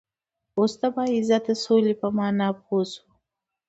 وس د باعزته سولی په معنا پوهه شوئ